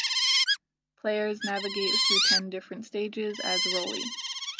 Players navigate through ten different stages as Rollie.